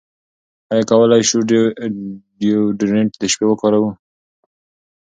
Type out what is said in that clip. ایا کولی شو ډیوډرنټ د شپې وکاروو؟